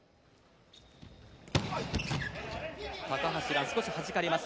高橋藍、少しはじかれます。